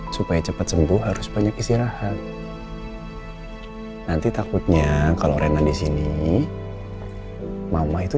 supaya cepat sembuh harus banyak istirahat nanti takutnya kalau renan di sini mama itu